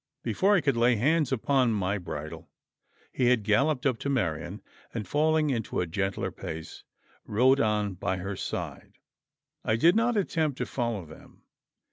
Before I could lay hands upon my bridle, he had galloped up to Marian, and falling into a gentler pace, rode on by her side. I did not attempt to follow them.